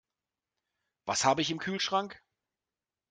Was habe ich im Kühlschrank?